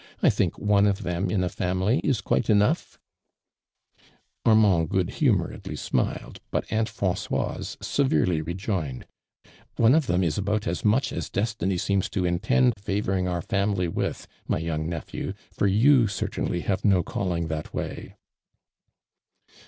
I think one of them in a family is quite enough !" Armand good humoredly smiled, but Aunt Fran^oise severely rejoined :" One of them is about as much as destiny seems to intend favoring our family witii, my young nephew, for you certaiidy have no calling that way."